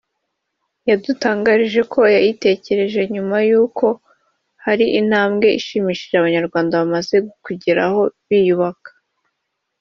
yadutangarije ko yayitekereje nyuma yo kubona ko hari intambwe ishimishije abanyarwanda bamaze kugeraho biyubaka